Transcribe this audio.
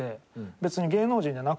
別に。